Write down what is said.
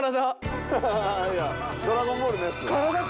『ドラゴンボール』のやつ？